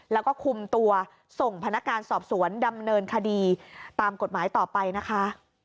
แล้วก็คุมตัวส่งพนักงานสอบสวนดำเนินคดีตามกฎหมายต่อไปนะคะ